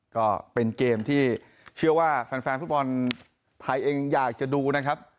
ก็เป็นเกมที่เชื่อว่าแฟนฟุตบอลไทยเองอยากจะดูนะครับ